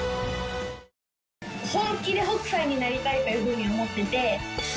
本気で北斎になりたいという風に思っていて。